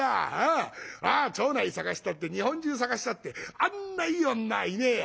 ああ町内探したって日本中探したってあんないい女いねえや。